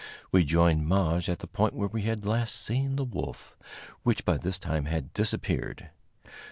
We joined Maje at the point where we had last seen the wolf, which by this time had disappeared.